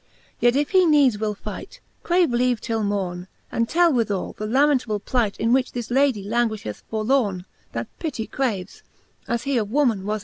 Yet if he needes will fight, crave leave till morne. And tell with all the lamentable plight, In which this Lady languifheth forlorne, That pitty craves, as he of woman was yborne, XLII.